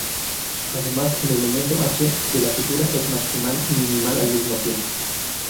Además, el elemento h de la figura es maximal y minimal al mismo tiempo.